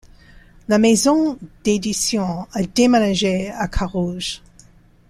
La maison d'édition a déménagé à Carouge.